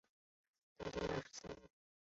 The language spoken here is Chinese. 大定二十四年。